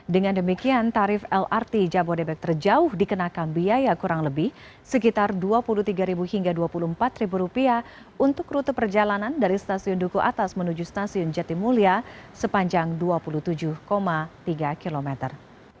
dengan demikian tarif lrt jabodebek terjauh dikenakan biaya kurang lebih sekitar rp dua puluh tiga hingga rp dua puluh empat untuk rute perjalanan dari stasiun duku atas menuju stasiun jatimulya sepanjang dua puluh tujuh tiga kilometer